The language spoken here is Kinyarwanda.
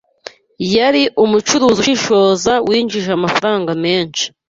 yari umucuruzi ushishoza winjije amafaranga menshi.